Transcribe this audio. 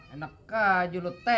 enak aja lu teh